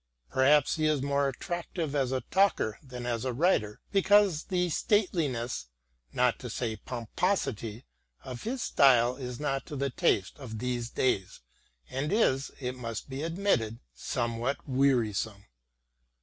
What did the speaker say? Perhaps he is more attractive as a talker than as a writer because the stateliness, not to say pomposity, of his style is not to the taste of these days and is, it must be admitted, somewhat wearisome.